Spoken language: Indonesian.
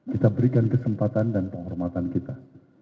kita berikan kesempatan dan penghormatan kita